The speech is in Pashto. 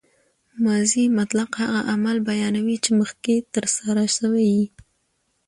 ماضي مطلق هغه عمل بیانوي، چي مخکښي ترسره سوی يي.